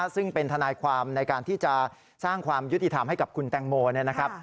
ซึ่งเป็นทนายความในการที่จะสร้างความยุติธรรมให้กับคุณแตงโมเนี่ยนะครับ